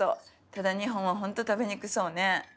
ただ２本はほんと食べにくそうね。